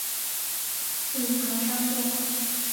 隐藏商店